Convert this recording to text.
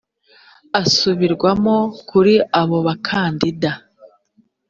asubirwamo kuri abo bakandida